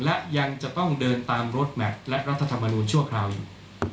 และยังจะต้องเดินตามรถแมพและรัฐธรรมนูญชั่วคราวอยู่